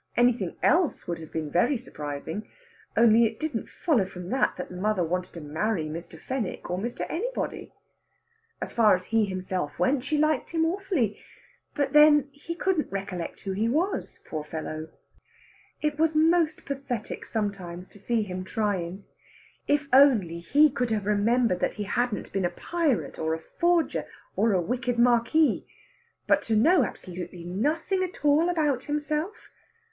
Anything else would have been very surprising. Only it didn't follow from that that mother wanted to marry Mr. Fenwick, or Mr. Anybody. As far as he himself went, she liked him awfully but then he couldn't recollect who he was, poor fellow! It was most pathetic sometimes to see him trying. If only he could have remembered that he hadn't been a pirate, or a forger, or a wicked Marquis! But to know absolutely nothing at all about himself!